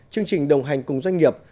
chương trình đồng hành cùng doanh nghiệp